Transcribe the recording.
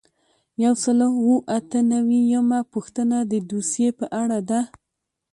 یو سل او اته نوي یمه پوښتنه د دوسیې په اړه ده.